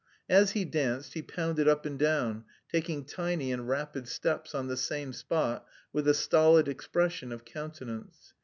As he danced he pounded up and down, taking tiny and rapid steps on the same spot with a stolid expression of countenance.